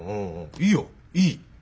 いいよいい。